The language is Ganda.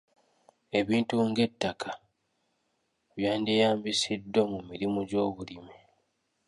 Ebintu ng'ettaka byandyeyambisiddwa mu mirimu gy'obulimi.